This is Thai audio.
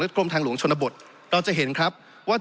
กรมทางหลวงชนบทเราจะเห็นครับว่า